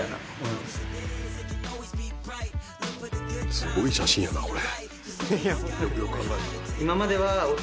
「すごい写真やなこれ」